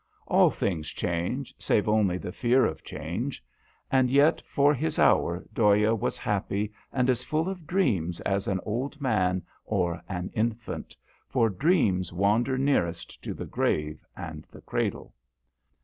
All things change save only the fear of change. And yet for his hour Dhoya was happy and as full of dreams as an old man or an infant for dreams wander nearest to the grave and the cradle.